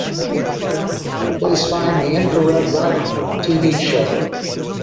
Please find the Infrared Riding Hood TV show.